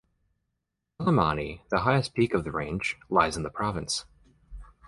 Illimani, the highest peak of the range, lies in the province.